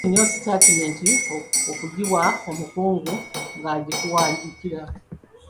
Kikulu nnyo sitaatimenti okugiwa omukugu n'agikuwandiikira.